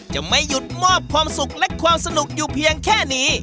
จะไม่หยุดมอบความสุขและความสนุกอยู่เพียงแค่นี้